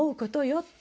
って。